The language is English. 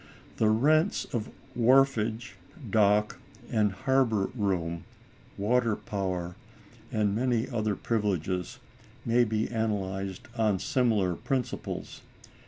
The rents of wharfage, dock, and harbor room, water power, and many other privileges, may be analyzed on similar principles.